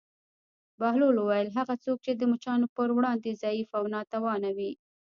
بهلول وویل: هغه څوک چې د مچانو پر وړاندې ضعیف او ناتوانه وي.